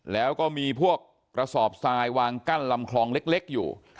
แล้วก็มีพวกกระสอบทรายวางกั้นลำคลองเล็กอยู่